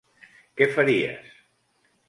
Què faries?